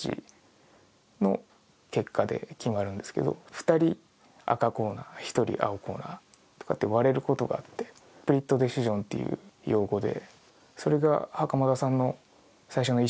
２人赤コーナー、１人青コーナーって割れることがあって、スプリット・デシジョンという用語で。